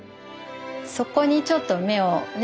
そこにちょっと目をね